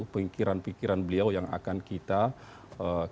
pengkiran pikiran beliau yang akan kita kembangkan